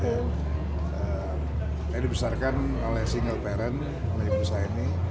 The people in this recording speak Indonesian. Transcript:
saya dibesarkan oleh single parent oleh ibu saya ini